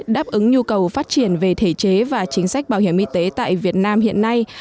đáp ứng nhu cầu phát triển về thể chế và chính sách bảo hiểm y tế tại việt nam hiện nay